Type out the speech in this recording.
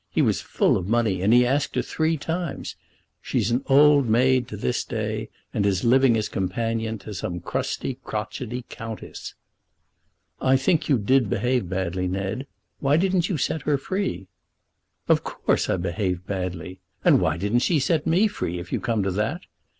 He was full of money, and he asked her three times. She is an old maid to this day, and is living as companion to some crusty crochetty countess." "I think you did behave badly, Ned. Why didn't you set her free?" "Of course, I behaved badly. And why didn't she set me free, if you come to that?